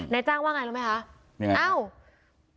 ณัฐังว่าไงรู้ไหมคะอ้าวถูกรางวัลที่๑ยืดาเงินก้อนมาแล้วนี่